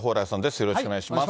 よろしくお願いします。